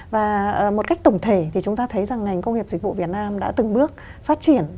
và một cách tổng thể thì chúng ta thấy rằng ngành công nghiệp dịch vụ việt nam đã từng bước phát triển